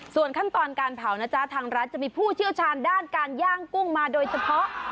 ส่วนขั้นตอนการเผานะจ๊ะทางร้านจะมีผู้เชี่ยวชาญด้านการย่างกุ้งมาโดยเฉพาะ